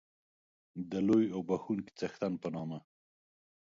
د لوی او بخښونکی څښتن په نامه